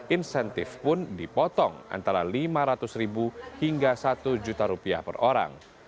insentif pun dipotong antara rp lima ratus hingga rp satu juta per orang